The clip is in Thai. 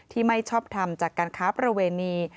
ไม่ชอบทำจากการค้าประเวณี